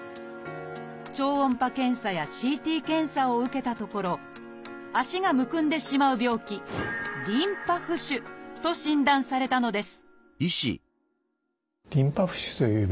超音波検査やＣＴ検査を受けたところ足がむくんでしまう病気「リンパ浮腫」と診断されたのです